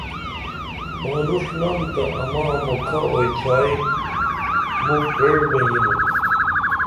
مانُݜنم تہ اما مُکھہ اوئی تھیائی مُکھ پریݜبئیں ینُن